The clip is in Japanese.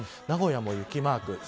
名古屋も雪マーク。